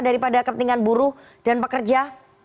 daripada kepentingan buruh dan pekerja